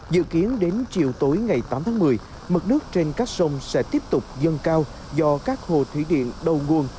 dự kiến đến chiều tối ngày tám tháng một mươi mực nước trên các sông sẽ tiếp tục dâng cao do các hồ thủy điện đầu nguồn